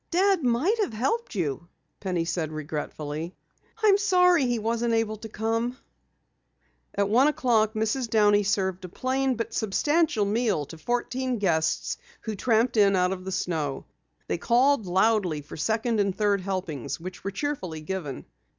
"Dad might have helped you," Penny said regretfully. "I'm sorry he wasn't able to come." At one o'clock Mrs. Downey served a plain but substantial meal to fourteen guests who tramped in out of the snow. They called loudly for second and third helpings which were cheerfully given.